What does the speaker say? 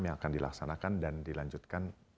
yang akan dilaksanakan dan dilanjutkan